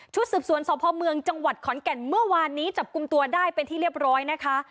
สืบสวนสพเมืองจังหวัดขอนแก่นเมื่อวานนี้จับกลุ่มตัวได้เป็นที่เรียบร้อยนะคะ